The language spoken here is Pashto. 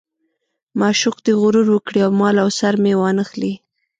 معشوق دې غرور وکړي او مال او سر مې وانه خلي.